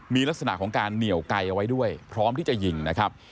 มีลักษณะของการเหนียวไกลเอาไว้ด้วยพร้อมที่จะยิงนะครับ